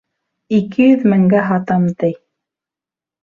Ике йөҙ меңгә һатам, ти.